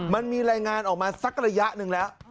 มันมีรายงานออกมาสักระยะหนึ่งแล้ว